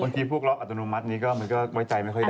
ที่พวกล็อกอัตโนมัตินี้ก็มันก็ไว้ใจไม่ค่อยดี